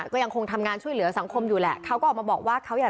ก็ยังคงทำงานช่วยเหลือสังคมอยู่แหละเขาก็ออกมาบอกว่าเขาอยาก